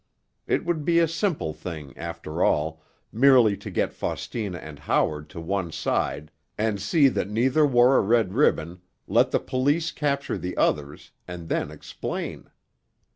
It would be a simple thing, after all, merely to get Faustina and Howard to one side and see that neither wore a red ribbon, let the police capture the others, and then explain.